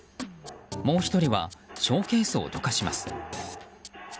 もう１人はショーケースをどかします。